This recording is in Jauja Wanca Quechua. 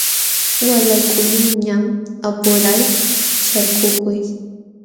Waalaykuqlunñam apuray shalkukuy.